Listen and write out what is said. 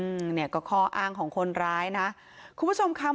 อืมเนี่ยก็ข้ออ้างของคนร้ายนะคุณผู้ชมค่ะ